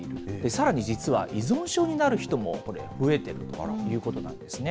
さらに実は、依存症になる人も、これ、増えているということなんですね。